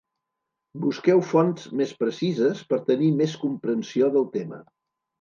Busqueu fonts més precises per tenir més comprensió del tema.